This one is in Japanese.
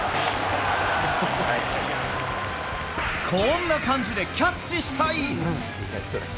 こんな感じでキャッチしたい！